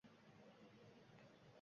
Yarim kechasi qaerga ham borardingiz